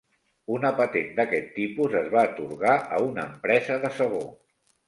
Una patent d'aquest tipus es va atorgar a una empresa de sabó.